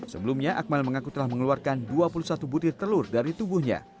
sebelumnya akmal mengaku telah mengeluarkan dua puluh satu butir telur dari tubuhnya